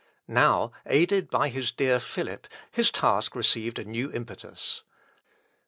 Now, aided by his dear Philip, his task received a new impetus.